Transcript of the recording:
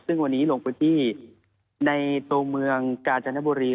ซึ่งวันนี้ลงพื้นที่ในตัวเมืองกาญจนบุรี